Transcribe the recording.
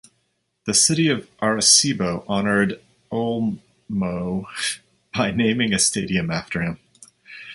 The City of Arecibo honored Olmo by naming a stadium after him.